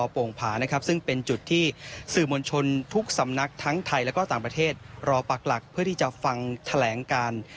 โป่งผานะครับซึ่งเป็นจุดที่สื่อมวลชนทุกสำนักทั้งไทยและก็ต่างประเทศรอปักหลักเพื่อที่จะฟังแถลงการ